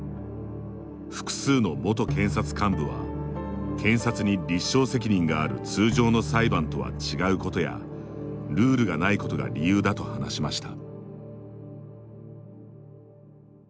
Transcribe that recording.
複数の元検察幹部は検察に立証責任がある通常の裁判とは違うことやルールがないことが理由だと話しました。